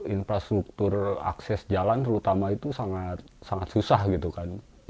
infrastruktur akses jalan terutama itu sangat susah gitu kan